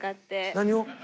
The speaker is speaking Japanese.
何を？